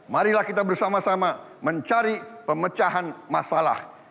marilah kita bersama sama mencari pemecahan masalah